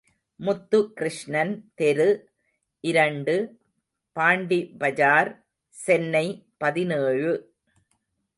முத்து கிருஷ்ணன் தெரு, இரண்டு, பாண்டிபஜார், சென்னை பதினேழு .